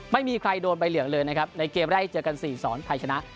ไม่มีใครโดนใบเหลืองเลยนะครับในเกมแรกเจอกัน๔สอนไทยชนะ